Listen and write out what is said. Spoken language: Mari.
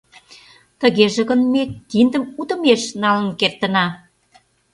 Тыгеже гын ме киндым утымеш налын кертына.